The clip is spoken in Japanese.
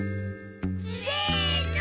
せの！